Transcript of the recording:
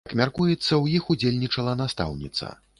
Як мяркуецца, у іх удзельнічала настаўніца.